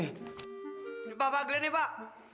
ini pak glenn ini pak